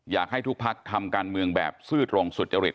อยากให้ทุกพักทำการเมืองแบบซื่อตรงสุจริต